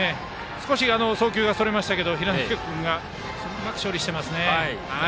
少し送球がそれましたがうまく処理していますね。